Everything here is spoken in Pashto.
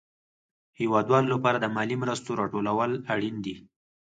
د هېوادوالو لپاره د مالي مرستو راټول اړين دي.